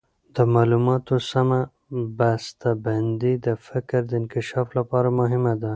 د معلوماتو سمه بسته بندي د فکر د انکشاف لپاره مهمه ده.